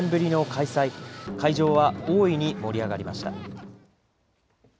会場は大いに盛り上がりました。